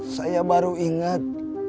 saya baru inget